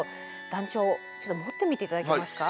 団長ちょっと持ってみていただけますか。